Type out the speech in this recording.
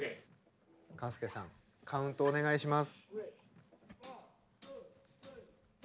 カースケさんカウントお願いします。